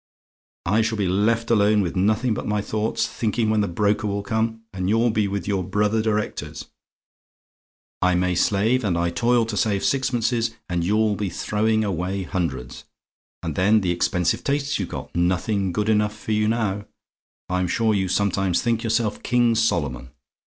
I shall be left alone with nothing but my thoughts, thinking when the broker will come, and you'll be with your brother directors. I may slave and I toil to save sixpences; and you'll be throwing away hundreds. And then the expensive tastes you've got! Nothing good enough for you now. I'm sure you sometimes think yourself King Solomon.